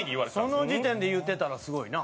その時点で言うてたらすごいな。